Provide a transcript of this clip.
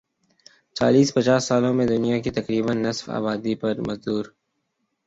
چالیس پچاس سالوں میں دنیا کی تقریبا نصف آبادی پر مزدور